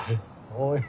おい